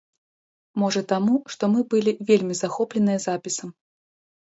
Можа таму, што мы былі вельмі захопленыя запісам.